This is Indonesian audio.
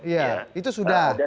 ya itu sudah